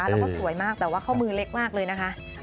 แล้วก็สวยมากแต่ว่าข้อมือเล็กมากเลยนะคะ